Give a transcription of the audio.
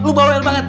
lu bawa lu banget